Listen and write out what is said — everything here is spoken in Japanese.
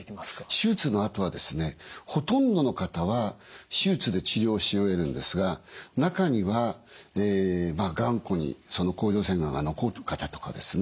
手術のあとはですねほとんどの方は手術で治療し終えるんですが中には頑固にその甲状腺がんが残る方とかですね